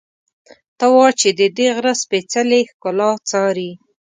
ته وا چې ددې غره سپېڅلې ښکلا څاري.